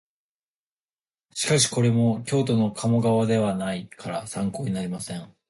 しかしこれも京都の鴨川ではないから参考になりません